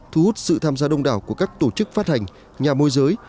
thu hút sự tham gia đông đảo của các tổ chức phát hành nhà môi giới